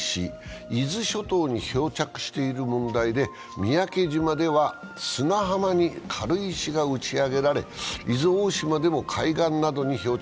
伊豆諸島に漂着している問題で、三宅島では砂浜に軽石が打ち上げられ伊豆大島でも海岸などに漂着。